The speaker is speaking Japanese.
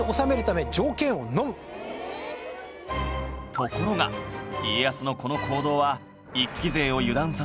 ところが家康のこの行動は